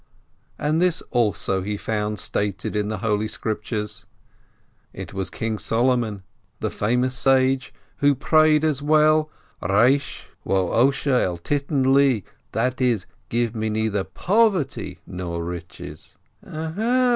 And this also he found stated in the Holy Scriptures. It was King Solomon, the famous sage, who prayed as well: Resh wo Osher al titten li, that is, "Give me neither poverty nor riches."